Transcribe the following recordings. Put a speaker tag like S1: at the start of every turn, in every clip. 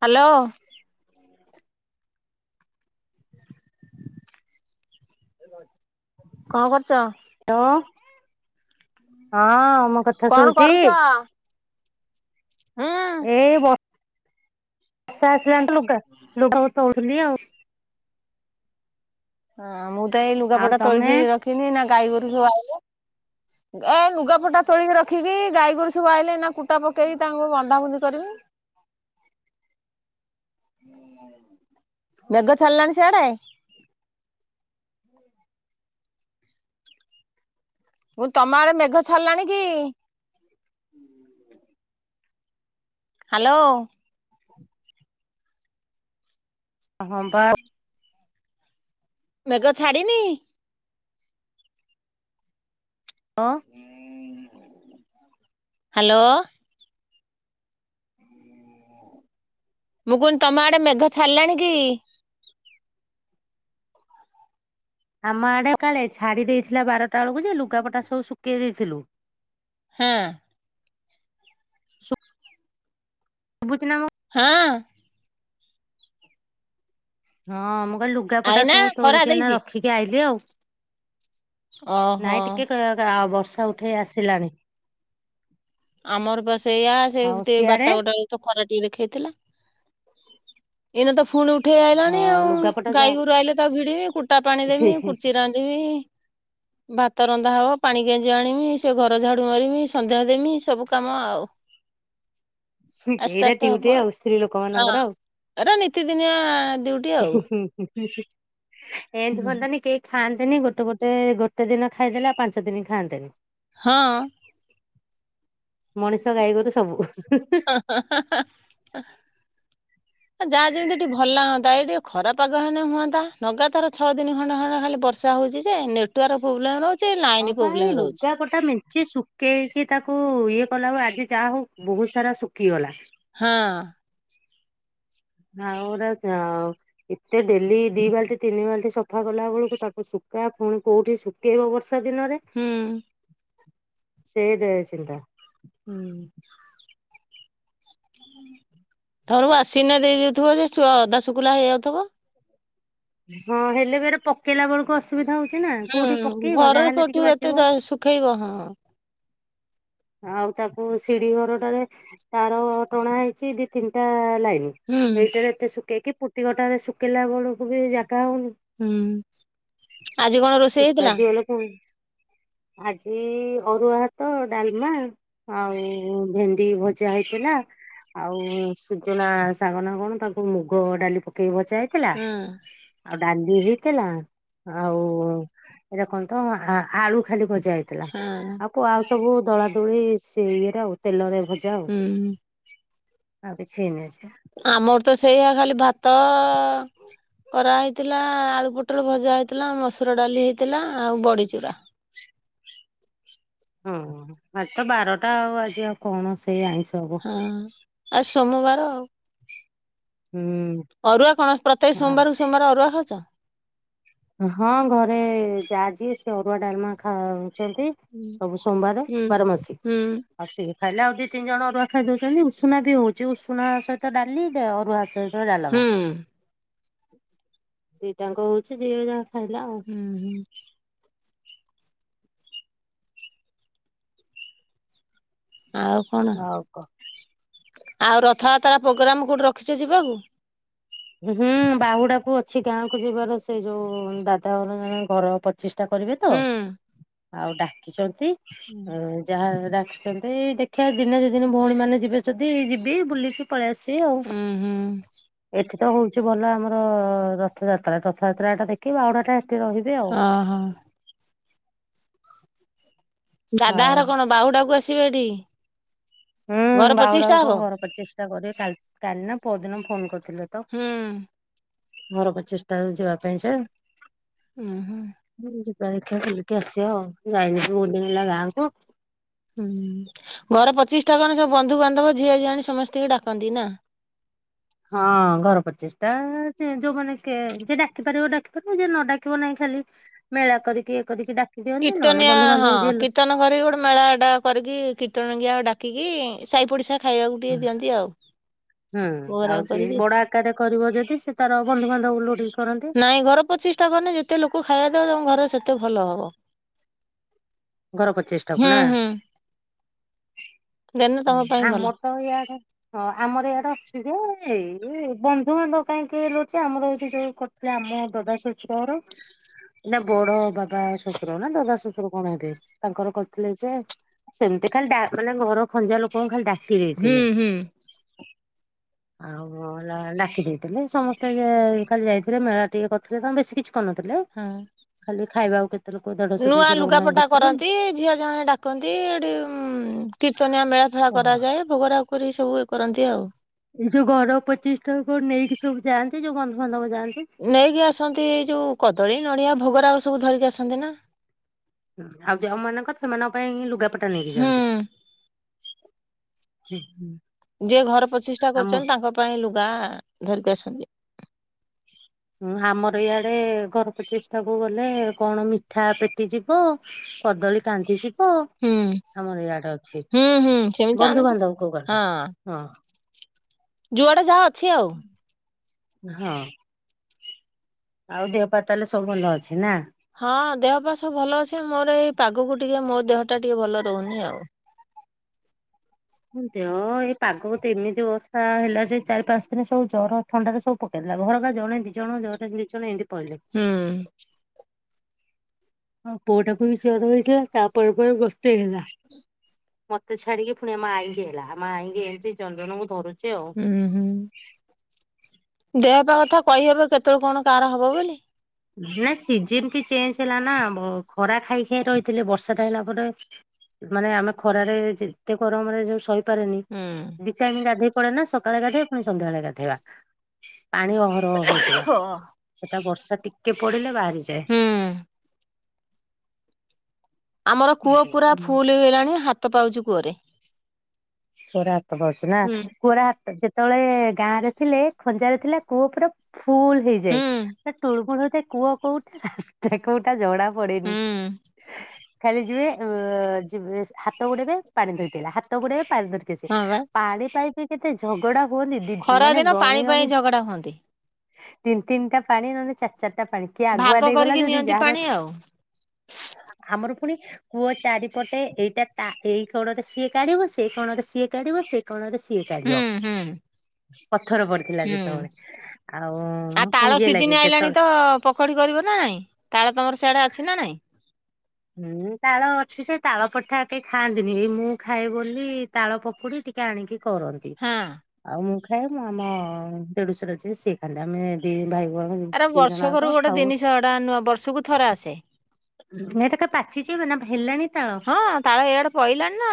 S1: Hello?
S2: ହଁ।
S1: କଣ କରୁଛ?
S2: ହ୍ୟାଲୋ ହଁ ମୋ କଥା
S1: କଣ
S2: ଶୁଭୁଛି?
S1: କରୁଛ? ହୁଁ।
S2: ଏଇ ବ ବର୍ଷା ଆସିଲାଣି ତ ଲୁଗା ଲୁଗା ତୋଳୁଥିଲି ଆଉ।
S1: ହଁ ମୁଁ ତ ଏଇ
S2: ଆଉ
S1: ଲୁଗାପଟା
S2: ତମେ
S1: ତୋଳିକି ରଖିନି ଏଇନା ଗାଈ ଗୋରୁ ସବୁ ଆଇଲେ।
S2: [inaudible]
S1: ଏ ଲୁଗାପଟା ତୋଳିକି ରଖିକି ଗାଈ ଗୋରୁ ସବୁ ଆଇଲେ ଏଇନା କୁଟା ପକେଇକି ତାଙ୍କୁ ବନ୍ଧା ବୁଧି କରିମି। [inaudible] ମେଘ ଛାଡିଲାଣି ସିଆଡେ? ମୁଁ କହିଲି ତମ ଆଡେ ମେଘ ଛାଡିଲାଣି କି? ହ୍ୟାଲୋ?
S2: ହଁ ବା।
S1: ମେଘ ଛାଡ଼ିନି?
S2: [unintelligible]
S1: ହ୍ୟାଲୋ? ମୁଁ କହୁଥିଲି ତମ ଆଡେ ମେଘ ଛଡ଼ିଲାଣି କି?
S2: ଆମ ଆଡେ କାଳେ ଛାଡି ଦେଇଥିଲା ବାରଟା ବେଳକୁ ଯେ ଲୁଗାପଟା ସବୁ ଶୁଖେଇ ଦେଇଥିଲୁ।
S1: ହଁ।
S2: ଶୁଭୁଚି ନା ମୋ
S1: ହଁ।
S2: ହଁ ମୁଁ କହିଲି ଲୁଗାପଟା
S1: ଆଇନା
S2: ସବୁ
S1: ଖରା
S2: ତୋଳିକି ଏଇନା
S1: ଦେଇଛି
S2: ରଖି ଟିକେ ଆଇଲିି ଆଉ।
S1: ଓହୋ।
S2: ନାଇଁ ଟିକେ ବର୍ଷା ଉଠେଇ ଆସିଲାଣି।
S1: ଆମର ବା ସେ ଏଇଆ ସେ
S2: ଆଉ ସିଆଡେ
S1: ବାରଟା - ଗୋଟେ ବେଳକୁ ତ ଖରା ଟିକେ ଦେଖେଇ ଥିଲା। ଏଇନା ତ ପୁଣି ଉଠେ ଉଠେଇ
S2: ହଁ
S1: ଆଇଲାଣି ଆଉ
S2: ଲୁଗାପଟା ଯା
S1: ଗାଈ ଗୋରୁ ଆଇଲେ ତାକୁ ଭିଡିବି, କୁଟା ପାଣି ଦେମି, କୁର୍ଚି ରାନ୍ଧିବି ଭାତ ରନ୍ଧା ହବ, ପାଣି କାଞ୍ଜି ଆଣିବି, ସେ ଘର ଝାଡୁ ମାରିବି, ସନ୍ଧ୍ୟା ଦେମି। ସବୁ କାମ ଆଉ ଆସ୍ତେ
S2: ଏଇଟା
S1: ଆସ୍ତେ
S2: ଡ୍ୟୁଟି
S1: ହବ ଆଉ
S2: ସ୍ତ୍ରୀ ଲୋକମାନଙ୍କର ଆଉ
S1: ହଁ। ଏରା ନିତି ଦିନିଆ ଡିଉଟି ଆଉ।
S2: ହଁ ହଁ, ଏନ୍ତି ହୁଅନ୍ତାନି କେ ଖାଆନ୍ତେନି, ଗୋଟେ ଗୋଟେ ଗୋଟେ ଦିନ ଖାଇଦେଲେ ପାଞ୍ଚ ଦିନ ଖାଆନ୍ତେନି।
S1: ହଁ।
S2: ମଣିଷ, ଗାଈ ଗୋରୁ ସବୁ।
S1: ଯାହା ଯେମିତିି ଟିକେ ଭଲ ହୁଅନ୍ତା। ଏଠି ଖରାପାଗ ହେଲେ ହୁଅନ୍ତା। ଲଗାତାର ଛଅ ଦିନ ଖଣ୍ଡେ ଖଣ୍ଡ ଖାଲି ବର୍ଷା ହଉଛି ଯେ ନେଟୱାର୍କ ପ୍ରୋବ୍ଲେମ ରହୁ ଛି, ଲାଇନ୍ ପ୍ରୋବ୍ଲେମ ରହୁଛି।
S2: ତା ମେଞ୍ଚ ଶୁଖେଇକି ତାକୁ ଇଏ କଲା ବେଳକୁ ଆଜି ଯାହା ହଉ ବହୁତ ସାରା ଶୁଖିଗଲା।
S1: ହଁ।
S2: [unintelligible] ଏତେ ଡେଲି ଦି ବାଲଟି ତିନି ବାଲଟି ସଫା କଲା ବେଳକୁ ତାକୁ ଶୁଖା ପୁଣି କୋଉଠି ଶୁ ଖେଇବ ବର୍ଷା ଦିନରେ
S1: ହୁଁ
S2: ସେଇଟା ଚିନ୍ତା।
S1: ହୁଁ। ତମର ୱଶିଙ୍ଗ୍ ରେ ଦେଇ ଦଉଥିବ ଯେ ଅଧା ଶୁଖିଲା ହେଇଯାଉଥିବ।
S2: ହଁ, ହେଲେ ବି ଏରେ ପକେଇଲା ବେଳକୁ ଅସୁବିଧା ହଉଛିି ନା କୋଉଠି ପକେଇବ ଯାହାହେଲେ ଟିକେ ବାଜିବ।
S1: [unintelligible] ଖେଇବ ହଁ
S2: ଆଉ ତାକୁ ସିଢି ଘରଟାରେ ତାର ଟଣା ହେଇଛି ଦି ତିନ୍ଟା ଲାଇନ୍।
S1: ହୁଁ
S2: ଏଇଟାରେ ଏତେ ଶୁକେଇକି ପୁଟିକ ଟାରେ ଶୁକେଇଲା ବେଳକୁ ବି ଜାଗା ହଉନି।
S1: ହୁଁ ଆଜି କଣ ରୋଷେଇ ହେଇଥିଲା।
S2: ହୁଁ ଆଜି ଅରୁଆ ହାତ ଡାଲ୍ମା ଆଉ ଭେଣ୍ଡି ଭଜା ହେଇଥିଲା। ଆଉ ସୁଜନା ଶାଗ ନା କଣ ତାକୁ ମୁଗ ଡାଲି ପକେଇକି ଭଜା ହେଇ ଥିଲା।
S1: ହଁ
S2: ଆଉ ଡାଲି ହେଇଥିଲା ଆଉ ଏରା କନ୍ତ ଆ ଆଳୁ ଖାଲି ଭଜା ହେଇଥିଲା।
S1: ହଁ
S2: ଥିଲା ଆଉ କ ଆଉ ସବୁ ଦୋଳା ଦୋଳି ସେ ଇଏରେ ଆଉ ତେଲରେ ଭଜା ଆଉ।
S1: ହୁଁ
S2: ଆ କିଛି ହେଇନି କିଛି।
S1: ଆମର୍ତ ସେୟା ଖାଲି ଭାତ କରା ହେଇଥିଲା ଆଳୁ ପୁଟଳ ଭଜା ହେଇଇଥିଲା ମସୁର ଡାଲି ହେଇଥିଲା ଆଉ ବଡ଼ିଚୁରା।
S2: ହଁ ଆ ତ ବାରଟା ଆଉ ଆଜି ଆଉ କଣ ସେଇ ଆଇଁଷ ହବ।
S1: ହଁ ଆଜ୍ ସୋମବାର ଆଉ।
S2: ହୁଁ।
S1: ଅରୁଆ କଣ ପ୍ରତ୍ୟେକ ସୋମ୍ବର୍କୁ ସୋମ୍ବାର୍ ଅରୁଆ ଖାଉଚ।
S2: ହଁ ଘରେ ଯା ଜିିଏ ସେ ଅରୁଆ ଡାଲ୍ମା ଖା ଉଚନ୍ତି।
S1: ହୁଁ
S2: ସବୁ ସୋମ୍ବାରେ ବାରମାସୀ।
S1: ହୁଁ
S2: ଆଉ ସିଏ ଖାଇଲେ ଆଉ ଦି ତିନ୍ ଜଣ ଅରୁଆ ଖାଇଦଉଛନ୍ତି ଉଷୁନା ବି ହଉଛି ଉଷୁନା ସହିତ ଡାଲି ଅରୁଆ ସହି ଡାଲମା
S1: ହୁଁ
S2: ଦିଟାଙ୍କ ହଉଛି ଯିଏ ଯାହା ଖାଇଲା ଆଉ।
S1: ହୁଁ ହୁଁ। ଆଉ କଣ
S2: ଆଉ କ
S1: ଆଉ ରଥଯାତ୍ରା ପୋଗ୍ରାମ୍ କୋଉଠି ରଖିଛ ଯିବାକୁ।
S2: ହୁଁ ବାହୁଡାକୁ ଅଛି ଗାଁକୁୁ ଯିବାର ସେ ଯୋଉ ଦାଦାରେ ଘର ପ ଚିଷ୍ଟା କରିବେ ତ
S1: ହୁଁ
S2: ଆଉ ଡାକିଚନ୍ତି ଉଁ ଯାହା ଡାକିଚନ୍ତି ଏଇ ଦେଖିଆ ଦିନେ ଦିଦିନି ଭଉଣୀ ମାନେ ଯିବେ ଯଦି ଯିବି ବୁଲିକି ପଳି ଆସିବି ଆଉ।
S1: ହୁଁ ହୁଁ
S2: ଏଠି ତ ହଉଛି ଭଲ ଆମର ରଥଯାତ୍ରା ରଥଯାତ୍ରା ଟା ଦେଖି ବାଉଡାଟା ଏଠି ରହିବି ଆଉ।
S1: ଅଁ ହଁ। ଦାଦା
S2: ହଉ।
S1: ହାର କଣ ବାହୁଡାକୁ ଆସିବେ ଏଠି।
S2: ହୁଁ
S1: ଘର ପଚିଶ ଟା
S2: ବାଉଡାକୁ
S1: ହବ
S2: କଂ ଘର ପଚିଶ୍ ଷ୍ଟା କରିଏ କାଲ୍ କାଲି ନା ପର୍ ଦିନ ଫୋନ କର୍ଥିଲେ ତ।
S1: ହୁଁ
S2: ଘର ପଚିଶ୍ଟା କୁ ଯିବା ପାଇଁ କା।
S1: ଉଁ ହୁ।
S2: ଯିବା ଦେଖ୍ୟା ବୁଲିକି ଆସିବା ଆଉ ଯାଇନି ବୋହୁତ ଦିନି ହେଲା ଗାଁକୁ।
S1: ହୁଁ ଘର ପଚିଶ ଟା କଣ ସବୁ ବନ୍ଧୁବାନ୍ଧବ ଝିଅ ଝିଆଣି ସମସ୍ତଙ୍କୁ ଡାକନ୍ତି ନା।
S2: ହଁ ଘର ପଚିଶ୍ଟା ଯେ ଯୋଉମାନେ କିଏ ଡାକି ପାରିବ ଡାକି ପାରିବ ଯେ ନ ଡାକି ପାରିବ ନାହିଁ ଖାଲି ମେଳା କରିକି ୟେ କରିକି ଡା
S1: କୀର୍ତ୍ତନିଆ ହଁ କୀର୍ତ୍ତନ ଘରେ ଗୋଟେ ମେଳା ଟା କରିକି କୀର୍ତନଙ୍ଗିଆ ଡାକିକି ସାଇ ପଡିଶା ଖାଇବାକୁ ଟିକେ ଦିଅନ୍ତି ଆଉ ଭୋଗ ରାଗ କରିକି।
S2: ତାରେ କରିବ ଯଦି ସେ ତାର ବନ୍ଧୁବାନ୍ଧବ ଲୋଟିକି କରନ୍ତି।
S1: ନାଇଁ ଘର ପଚିଶ୍ଟା କନେ ଯେତେ ଲୋକ ଖାଇବାଦବ ତମ ଘର ସେତେ ଭଲ ହବ।
S2: ଘର
S1: ହୁଁ
S2: ପଚିଶ୍ଟାକୁ ନା।
S1: ହୁଁ ଦେନେ
S2: ହୁଁ
S1: ତମ ପାଇଁ ଭଲ
S2: ଆମୋର୍ତ ୟାଡେ ହଁ ଆମର ଇଆଡା ଅଛି ଯେ ଏଇ ବନ୍ଧୁବାନ୍ଧବ କାଇଁ କିଏ ରହୁଛି ଆମର ଏଇଠି ଯୋଉ କ ସେ ଆମ ଦଦା ସସୁର ଘର। ନା ବଡ ବାବା ଶ୍ୱଶୁର ନା ଦଦା ଶ୍ୱଶୁର କଣ ହେବେ ତାଙ୍କର କରିଥିଲେ ଯେ ସେମିତି ଖାଲି ଡା ମାନେ ଘର ଖଞ୍ଜା ଲୋକଙ୍କୁ ଖାଲି ଡାକି
S1: ହୁଁ
S2: ଦେଇଥିଲେ।
S1: ହୁଁ
S2: ହଁ। ଅଁ ଲା ଡାକି ଦେଇଥିଲେ ସମସ୍ତେ କାଲି ଯାଇଥିଲେ ମେଳା ଟିକେ କରିଥିଲେ ତାଙ୍କ ବେଶୀ କିଛି କରିନଥିଲେ।
S1: ହଁ।
S2: ଖାଲି ଖାଇବାକୁ କେତେ ଲୋକ ଦେଢଶହ
S1: ନୂଆ
S2: ଦୁଇଶହ ଲୋକଙ୍କ ପାଇଁ
S1: ଲୁଗାପଟା
S2: କରିଥିଲେ।
S1: କରନ୍ତି ଝିଅ ଜଣେ ଡା କରନ୍ତି ଏଠି ଉ କୀର୍ତ୍ତନିଆ ମେଳା ଫେଳା
S2: ହଁ,
S1: କରାଯାଏ ଭୋଗରାଗ କରିକି ସବୁ ଇଏ କରନ୍ତି ଆଉ।
S2: ଏଇ ଯୋଉ ଘର ପଚିଶଟା କୁ ନେଇକି ସବୁ ଯାଆନ୍ତି ଯୋଉ ବନ୍ଧୁବାନ୍ଧବ ଯାଆନ୍ତି।
S1: ନେଇକି ଆସନ୍ତି ଏ ଯଉ କଦଳୀ ନଡ଼ିଆ ଭୋଗରାଗ ଆଉ ସବୁ ଧରିକି ଆସନ୍ତି ନା।
S2: ହଁ ଆଉ ଯୋଉମାନଙ୍କ ସେମାନଙ୍କ ପାଇଁ ହିଁ ଲୁଗାପଟା ନେଇକି
S1: ହୁଁ
S2: ଯାଆନ୍ତି। ହ ହୁଁ।
S1: ଯିଏ ଘର ପ୍ରତିଷ୍ଠା
S2: ଆମ
S1: କରିଚନ୍ତି ତାଙ୍କ ପାଇଁ ଲୁଗା ଧରିକି ଆସନ୍ତି।
S2: ହ ହଁ ଆମର ଇଆଡେ ଘର ପଚିଷ୍ଟା କୁ ଗଲେ କଣ ମିଠା ପେଟିଯିବ। କଦଳୀ କାନ୍ଧି ଜି ହଁ
S1: ହୁଁ
S2: ଆମର ଇୟାଡେ ଅଛି
S1: ହୁଁ ହୁଁ ସେମିତି ଆଣନ୍ତି
S2: ବନ୍ଧୁବାନ୍ଧବ କୁ ଗଲେ
S1: ହଁ
S2: ହଁ
S1: ଯୁଆଡେ ଯାହା ଅଛି ଆଉ।
S2: ହଁ। ଆଉ ଦେହ ପା ତାଲେ ସବୁ ଭଲ ଅଛି ନା?
S1: ହଁ ଦେହ ପା ସବୁ ଭଲ ଅଛି। ମୋର ଏଇ ପାଗକୁ ଟିକେ ମୋ ଦେହ ଟା ଟିକେ ଭଲ ରହୁନି ଆଉ।
S2: ଦେହ ଏଇ ପାଗକୁ ଏମିତି ବର୍ଷା ହେଲା ଯେ ଚାରି ପାଞ୍ଚ ଦିନ ସବୁ ଜର। ଥଣ୍ଡାରେ ସବୁ ପକେଇ ଦେଲା, ଘରକା ଜଣେ ଦି ଜଣ ଜଣେ ଦି ଜଣ ଏମିତି ପଇଲେ।
S1: ହୁଁ।
S2: ହଁ ପୁଅଟାକୁ ବି ଜର ହେଇଥିଲା ତାପରେ ପରେ ବସ୍ତେ ହେଲା। ମତେ ଛାଡିକି ପୁଣି ଆମ ଆଇକି ହେଲା। ଆମ ଆଇକି ହେଇକି ଜଣ ଜଣ କରି ଧରୁଛି। ଆଉ।
S1: ହୁଁ ହୁଁ। ଦେହପା କଥା କହିହେବ କେତେବେଳେ କଣ କାର ହବ ବୋଲି।
S2: ନା ସିଜନ କି ଚେଞ୍ଜ ହେଲା ନା ଖରା ଖାଇ ଖାଇ ରହି ଥିଲେ ବର୍ଷାଟା ହେଲା ପରେ ମାନେ ଆମେ ଖରାରେ ଯେତେ ଗରମରେ ଯୋଉ ସହି ରଖିପାରେନି
S1: ହୁଁ
S2: ଦି ଟାଇମ ଗାଧେଇ ପଡେନା ସକାଳେ ଗାଧାଏ ପୁଣି ସନ୍ଧ୍ୟାବେଳେ ଗାଧେଇବା ପାଣି ଅ ହ ହଉଥିବା
S1: ହଁ
S2: ସେଟା ବର୍ଷା ଟିକେ ପଡିଲେ ବାହାରିଯାଏ।
S1: ହୁଁ ଆମର କୂଅ ପୁରା ଫୁଲ ହେଇଗଲାଣି ହାତ ପାଉଛି କୂଅରେ।
S2: କୂଅରେ ହାତ ପାଉଛି ନା
S1: ହୁଁ।
S2: କୂଅରେ ହାତ ଜେ ଜେତଳେ ଗାଁରେ ଥିଲେ ଖଞ୍ଜାରେ ଥିଲା କୂଅ ପୁରା ଫୁଲ ହେଇଯାଏ
S1: ହୁଁ
S2: ପୁରା ଟୁଳୁ ମୂଳ ହଉଥାଏ କୁଅ କଉଟା ରାସ୍ତା କଉଟା ଜଣା ପ଼ଡେନି।
S1: ହୁଁ
S2: ଖାଲି ଯିବେ ଯିବ ହାତ ବୁଡେଇବେ ପାଣି ଧୋଇଥିଲା ହାତ ବୁଡେଇବେ ପାଣି ଧୋଇଥିଲା।
S1: ହଁ ବା
S2: ପାଣି ପାଇପି କେତେ ଝଗଡା ହୁଅନ୍ତି, ଦି
S1: ଖରା
S2: ମାନେ
S1: ଦିନ ପାଣି
S2: ଗଣି
S1: ପାଇଁ
S2: ଗଣି
S1: ଝଗଡା ହୁଅନ୍ତି।
S2: ତିନି ତିନିଟା ପାଣି ନହେଲେ ଚାରି ଚାରିଟା ପାଣି କିଏ ଆଗୁଆ
S1: ଭାଗ
S2: ଦେଇଗଲା
S1: କରିକି
S2: ଯଦି
S1: ନିଅନ୍ତି
S2: ଯାହାର
S1: ପାଣି ଆଉ।
S2: ଆମର ପୁଣି କୂଅ ଚାରିପଟେ ଏଇଟା ତା ଏଇ କୋଣରେ ସିଏ କାଢିବ ଏଇ କଣରେ ସିଏ କାଢିବ ସେ କଣରେ ସିଏ
S1: ହୁଁ
S2: କାଢିବ।
S1: ହୁଁ
S2: ପଥର ପଡିଥିଲା
S1: ହୁଁ
S2: ଯେତେବେଳେ ଆଉ ମୁଁ ପୁଞ୍ଜିଏ ଲାଗେ ଯେତେବେଳେ।
S1: ପକୋଡ଼ି କରିବ ନା ନାଇଁ ତାଳତମର ସେଆଡ଼େ ଅଛି ନା ନାହିଁ।
S2: ହୁଁ ତାଳ ଅଛି ସେ ତାଳ ପଠା କେହି ଖାଆନ୍ତିନି ଏଇ ମୁଁ ଖାଏ ବୋଲି। ତାଳ ପକୁ ଡ଼ି ଟିକେ ଆଣିକି କରନ୍ତି।
S1: ହଁ
S2: ଆଉ ମୁଁ ଖାଏ ମୁଁ ଆମ ଦେଢୁସର ଯିଏ ସିଏ ଖାେ ଆମେ ଦି ଭାଇ ଭଉଣୀ
S1: ଆରେ
S2: ଦି ଜଣା
S1: ବର୍ଷକରୁ
S2: ଙ୍କ
S1: ଗୋଟେ
S2: ଖାଉ।
S1: ଜିନିଷ ଏଟା ନୂଆ ବର୍ଷକୁ ଥରେ ଆସେ।
S2: [unintelligible] ତା କ ପାଚିଛି ନା ହେଲାଣି ତାଳ।
S1: ହଁ ତାଳେ ଏଇଆଡେ ପଇଲାନି ନା।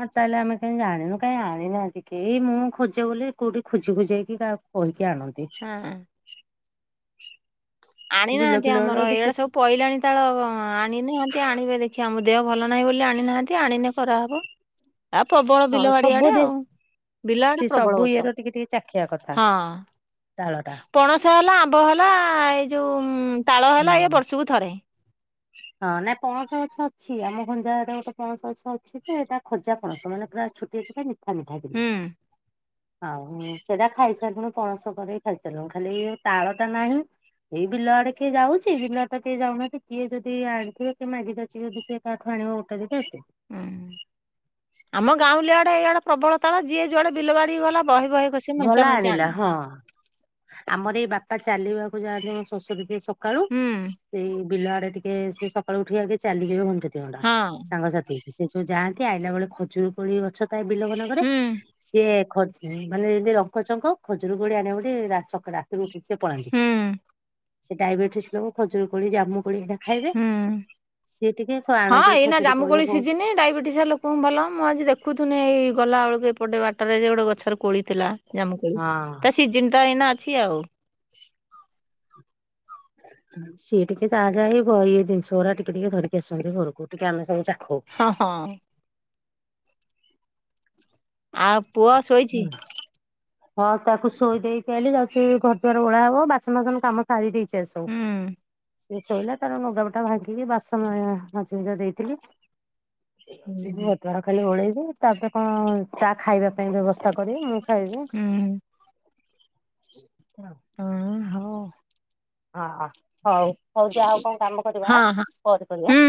S2: ହଁ ତାହେଲେ ଆମେ କାହିି ଜଣନୁ କାହିଁ ଆଣିନାନ୍ତିିକେଇ ମୁଁ ଖୋଜ ବୋଲି କୋଉଠି ଖୋଜି ଖୋଜେଇକି କାହାକୁ। କହିଁକି କି ଆଣନ୍ତି।
S1: ହାଁ।
S2: ବିଲ
S1: ଆଣିନାହାନ୍ତି
S2: ଫିଲ ଗୁଡା
S1: ଆମର ଏଇଡା
S2: ଦେଖି
S1: ସବୁ ପିଇଲାଣି କେତେବେଳେ ଆଣିନାହାନ୍ତି ଆଣିବେ ଦେଖିବା ଆମ ଦେହ ଭଲ ନାହିଁ ବୋଲି ଆଣିନାହାନ୍ତି ଆଣିନେ କରାହେବ। ଆ ପ୍ରବଳ
S2: ହଁ
S1: ବିଲ
S2: ସବୁ
S1: ଆଡିଆଡେ
S2: ଦେ
S1: ଆଉ ବିଲ
S2: ସେ
S1: ଆଡେ ପ୍ରବଳ
S2: ସବୁ
S1: ଗଛ
S2: ଇଏର ଟିକେ ଟିକେ ଚାଖିବା କଥା
S1: ହଁ।
S2: ତାଳଟା
S1: ପଣସା ହେଲା ଆମ୍ବ ହେଲା ଏଇ ଯୋଉ ତାଳ
S2: ହୁଁ
S1: ହେଲା ଇଏ ବର୍ଷକୁ ଥରେ।
S2: ହଁ ନାଇଁ ପଣସ ଗଛ ଅଛି। ଆମ ଘଞ୍ଜା ଗୋଟେ ପଣସ ଗଛ ଅଛି ତ ଏଇଟା ଖଜା ପଣସ ମାନେ ପୁରା। ଛୁଟିଆ ଛୁଟିଆ ମିଠା ମିଠା କିନ୍ତୁ।
S1: ହୁଁ।
S2: ଆଉ ସେଟା ଖାଇସାରିଲୁଣି ପଣସ କରିକି ଖାଇସାରିଲୁଣି ଖାଲି ତାଳ ଟା ନାହିଁ। ଏଇ ବିଲ ଆଡେ କିଏ ଯାଉଛି ବିଲ ଆ ଟା କିଏ ଯାଉନାହାନ୍ତି। କିଏ ଯଦି ଆଣିଥିବ କିଏ ମାଗି ଯାଉଛି ଯଦି କିଏ କାହାଠ ଆଣିବ ଗୋଟେ ଦିଟା
S1: ହୁଁ ଆମ ଗାଉଁଲିଆଡେ ଏଇଆଡେ ପ୍ରବଳ ତାଳ ଯିଏ ଯୁଆଡେ ବିଲ ବାଡି ଗଲା ବହେ ବହେ କଷି ମେଞ୍ଚା
S2: ଗଲା
S1: ମେଞ୍ଚା
S2: ଆଣିଲା
S1: ଆଣିବ।
S2: ହଁ ଆମର ଏଇ ବାପା ଚାଲିବାକୁ ଯାଆନ୍ତି ଶ୍ୱଶୁର ଯିଏ ସବୁ ସକାଳୁ
S1: ହୁଁ।
S2: ସେଇ ବିଲ ଆଡେ ଟିକେ ସେ ସକାଳୁ ଉଠିକ ଆ ଚାଲିକ ଘଣ୍ଟେ ଦି ଘଣ୍ଟା
S1: ହଁ
S2: ସାଙ୍ଗସାଥି ସେ ଯୋଉ ଯାଆନ୍ତି ଆଇଲା ବେଳେ ଖଜୁର କୋଳି ଗଛ ଥାଏ ବିଲୋବ ମାନଙ୍କରେ
S1: ହୁଁ
S2: ସିଏ ଖ ମାନେ ଯେମିତି ରଙ୍କ ଚଙ୍କ ଖଜୁରୀକୋଳି ଆଣିବେ ବୋଲି ରାତିରୁ ସିଏ ପଳାନ୍ତି।
S1: ହୁଁ
S2: ସେ ଡାଇବେଟିସ ଲୋକ ଖଜୁର କୋଳି ଜାମୁ କୋଳି ସେ ଖାଇଲେ
S1: ହୁଁ।
S2: ସିଏ ଟିକେ ଆଣନ୍ତି ଖଜୁର କୋଳି ବୋଉ।
S1: ଡାଇବେଟିସିଆ ଲୋକ କମ ଵାଲା ମୁଁ ଆଜି ଦେଖୁଥଥିଲି ଏଇ ଗଲାବେେଳକୁ ଏପଟେ ବାଟରେ ଗୋଟେ ଗଛରେ କୋଳି ଥିଲା। ଜାମ୍ମୁ କୋଳି
S2: ହଁ।
S1: ତା ସିଜିନ ତ ଏଇନା ଅଛି ଆଉ
S2: ସିଏ ଟିକେ ତାହା ଯାଇ ଇଏ ଜିନିଷ ଗୁଡା ଟିକେ ଟିକିଏ ଧରିକି ଆସନ୍ତି ଘରକୁ ଆମେ ଟିକେ ସବୁ ଚାଖୁ।
S1: ହଁ ହଁ। ଆଉ ପୁଅ ଶୋଇଛି।
S2: ହଁ ତାକୁ ଶୋଇ ଦେଇକି ଆଇଲି ଯାଉଛି ଘର ଦ୍ୱାର ଓଳା ହବ ବାସନ ଫାସନ କାମ ସାରି ଦେଇଛି। ସେ
S1: ହୁଁ।
S2: ସୋଉ ଶୋଇଲା ତାର ନୁଗାପଟା ଭାଙ୍ଗିକି ବାସନ ମାଜି ମୁଜା ଦେଇଥିଲି। ଘର
S1: ହୁଁ ହୁଁ।
S2: ଦ୍ୱାର ଖାଲି ଓଳେଇବି ତାପରେ କଣ ତା ଖାଇବା ପାଇଁ ବ୍ୟବସ୍ଥା କରିବି ମୁଁ ଖାଇବ।
S1: ହୁଁ [unintelligible]
S2: ହଁ ହଉ ହଉ ଯାଉ ଆଉ କଣ କାମ କରିବ
S1: ହଁ ହଁ
S2: ପରେ କରିବି?
S1: ହୁଁ।